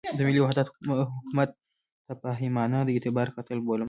د ملي وحدت حکومت تفاهمنامه د اعتبار قتل بولم.